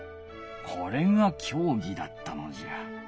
これがきょうぎだったのじゃ。